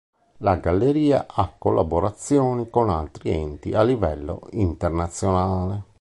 La galleria ha collaborazioni con altri enti a livello internazionale.